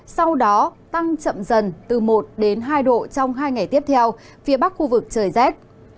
sau đó tăng chậm dần từ một đến hai độ trong hai ngày tiếp theo phía bắc khu vực trời rét